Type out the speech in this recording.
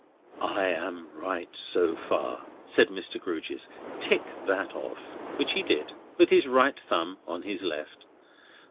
"I am right so far," said Mr. Grewgious. "Tick that off;" which he did, with his right thumb on his left.